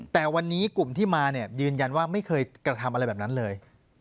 แต่วันนี้กลุ่มที่มาเนี่ยยืนยันว่าไม่เคยกระทำอะไรแบบนั้นเลย